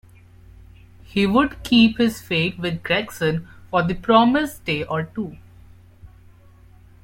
He would keep his faith with Gregson for the promised day or two.